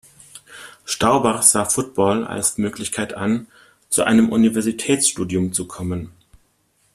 Staubach sah Football als Möglichkeit an, zu einem Universitätsstudium zu kommen.